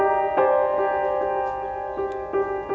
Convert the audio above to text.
namun kumpulan biaya berubah jadi akan terus menjalankan penuju vagabond